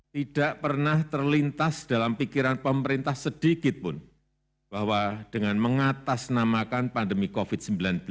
tidak pernah terlintas dalam pikiran pemerintah sedikitpun bahwa dengan mengatasnamakan pandemi covid sembilan belas